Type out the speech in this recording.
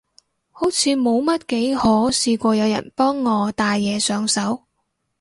好似冇乜幾可試過有人幫我戴嘢上手